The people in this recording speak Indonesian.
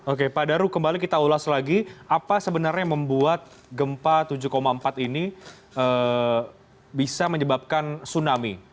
oke pak daru kembali kita ulas lagi apa sebenarnya yang membuat gempa tujuh empat ini bisa menyebabkan tsunami